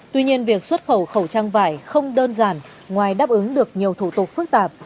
tuy nhiên việc xuất khẩu khẩu trang vải không đơn giản ngoài đáp ứng được nhiều thủ tục phức tạp